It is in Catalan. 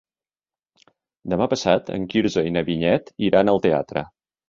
Demà passat en Quirze i na Vinyet iran al teatre.